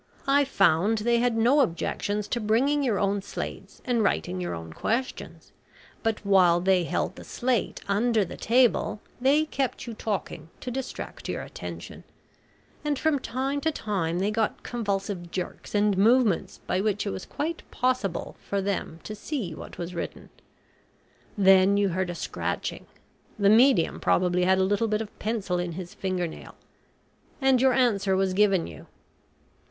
I found they had no objections to bringing your own slates and writing your own questions, but while they held the slate under the table they kept you talking to distract your attention, and from time to time they got convulsive jerks and movements by which it was quite possible for them to see what was written. Then you heard a scratching (the medium probably had a little bit of pencil in his finger nail), and your answer was given you.